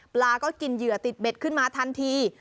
ปลาก็กินเหยื่อติดเบ็ดขึ้นมาทันที